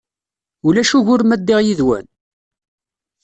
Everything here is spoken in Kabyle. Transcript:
Ulac ugur ma ddiɣ yid-wen?